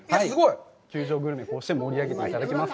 球場グルメをこうして盛り上げてくれますね。